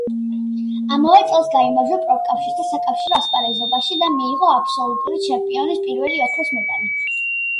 ამავე წელს გაიმარჯვა პროფკავშირთა საკავშირო ასპარეზობაში და მიიღო აბსოლუტური ჩემპიონის პირველი ოქროს მედალი.